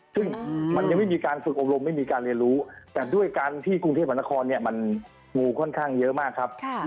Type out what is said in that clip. ซึ่งมันยังไม่มีการฝึกอบรมไม่มีการเรียนรู้แต่ด้วยการที่กรุงเทพมหานครเนี่ยมันงูค่อนข้างเยอะมากครับ